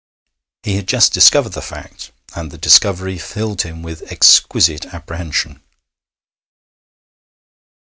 He had just discovered the fact, and the discovery filled him with exquisite apprehension.